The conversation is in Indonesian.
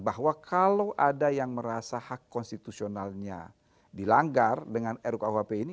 bahwa kalau ada yang merasa hak konstitusionalnya dilanggar dengan rukuhp ini